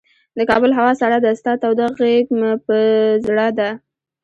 د کابل هوا سړه ده، ستا توده غیږ مه په زړه ده